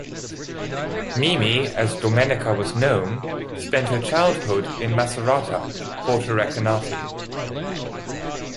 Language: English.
"Mimi" as Domenica was known, spent her childhood in Macerata, Porto Recanati.